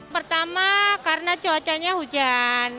pertama karena cuacanya hujan